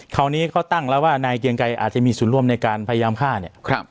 คราวนี้เขาตั้งแล้วว่านายเกียงไกรอาจจะมีส่วนร่วมในการพยายามฆ่าเนี่ย